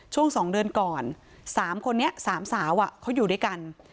ช่วง๒เดือนก่อน๓คนนี้๓สาวเขาอยู่ด้วยกัน